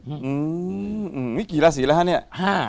อืมนี่กี่ราศีแล้วฮะเนี่ย